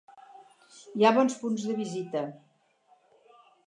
Hi ha bons punts de visita.